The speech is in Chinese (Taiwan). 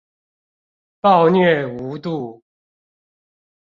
暴虐無度